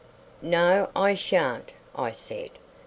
"No, I sha'n't," I said.